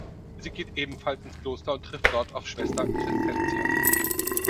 Sie geht ebenfalls ins Kloster und trifft dort auf Schwester Crescentia.